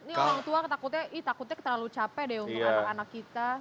ini orang tua takutnya ih takutnya terlalu capek deh untuk anak anak kita